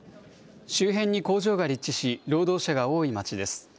周辺に工場が立地し、労働者が多い町です。